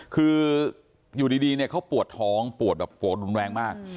คืออยู่ดีเนี่ยเขาปวดท้องปวดแบบปวดรุนแรงมาก